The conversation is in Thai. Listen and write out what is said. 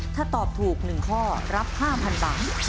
ถ้าตอบถูก๑ข้อรับ๕๐๐๐บาท